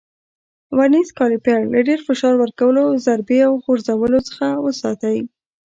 ورنیز کالیپر له ډېر فشار ورکولو، ضربې او غورځولو څخه وساتئ.